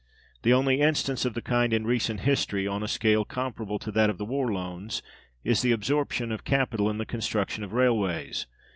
The only instance of the kind in recent history, on a scale comparable to that of the war loans, is the absorption of capital in the construction of railways.